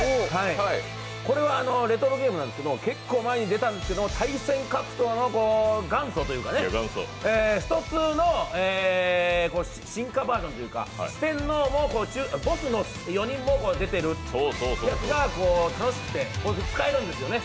これはレトロゲームなんですけど、結構前に出たんですけど対戦格闘の元祖といいますかね「ストⅡ」の進化バージョンというか、四天王のボスの４人も出ているというか、楽しくて使えるんですよね。